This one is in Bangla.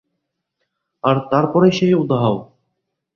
আর তারপরেই সে উধাও।